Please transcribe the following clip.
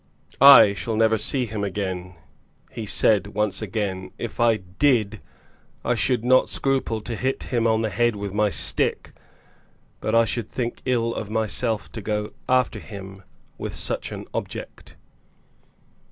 "I shall never see him," he said once again; "if I did, I should not scruple to hit him on the head with my stick; but I should think ill of myself to go after him with such an object."